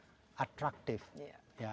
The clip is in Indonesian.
yang saya lihat sangat efektif mudah dan seksi mbak